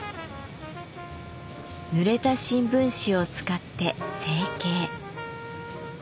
ぬれた新聞紙を使って成形。